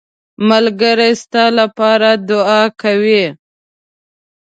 ملګری ستا لپاره دعا کوي